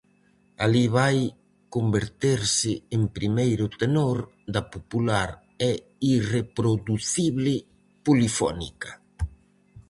Alí vai converterse en primeiro tenor da popular e irreproducible Polifónica.